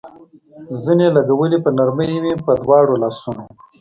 زنې لګولې وې، په نرمۍ مې په دواړو لاسونو.